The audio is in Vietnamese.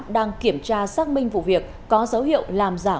đang kiểm tra xác minh vụ việc có dấu hiệu làm giả